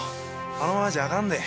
あのままじゃあかんで。